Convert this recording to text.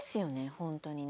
本当にね。